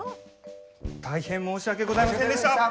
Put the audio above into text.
大変申し訳ございませんでした！